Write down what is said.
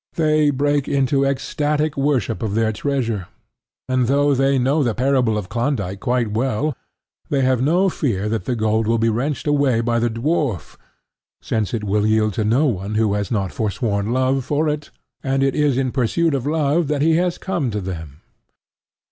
They break into ecstatic worship of their treasure; and though they know the parable of Klondyke quite well, they have no fear that the gold will be wrenched away by the dwarf, since it will yield to no one who has not forsworn love for it, and it is in pursuit of love that he has come to them.